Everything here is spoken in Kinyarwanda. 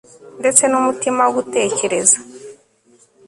ndetse n'umutima wo gutekereza